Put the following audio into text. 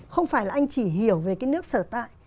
không phải là anh chỉ hiểu về cái nước sở tại